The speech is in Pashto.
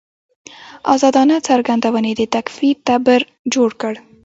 ازادانه څرګندونې د تکفیر تبر جوړ کړ.